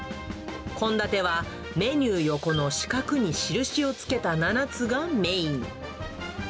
献立はメニュー横の四角に印をつけた７つがメイン。